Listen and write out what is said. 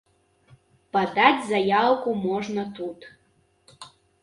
Падаць заяўку можна тут.